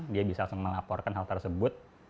dia bisa langsung melaporkan hal tersebut